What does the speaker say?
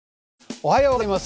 おはようございます。